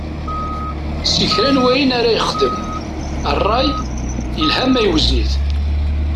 Si kra n wayen ara yexdem, ṛṛay, yelha ma iwzen-it.